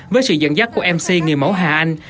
với sự dẫn dắt của mc người mẫu hà anh